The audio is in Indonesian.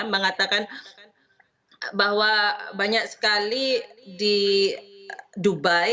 mengatakan bahwa banyak sekali di dubai